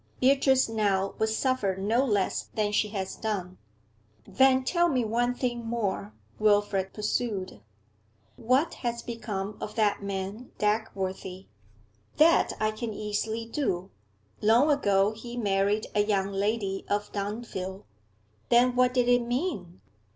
'Beatrice now would suffer no less than she has done.' 'Then tell me one thing more,' Wilfrid pursued. 'What has become of that man Dagworthy?' 'That I can easily do. Long ago he married a young lady of Dunfield.' 'Then what did it mean?